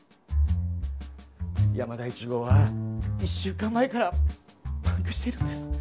山田１号は１週間前からパンクしているんです。